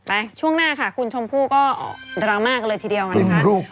ไปช่วงหน้าค่ะคุณชมภู่ก็ดราม่ากันเลยทีเดียวกันนะดูลูก